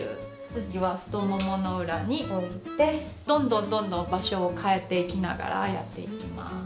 次は太ももの裏に置いてどんどん場所を変えていきながらやっていきます。